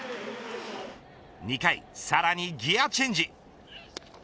２回、さらにギアチェンジ。